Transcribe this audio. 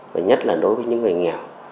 và nhất là đối với những người nghèo